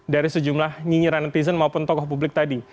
dari sejumlah nyinyiran netizen maupun tokoh publik tadi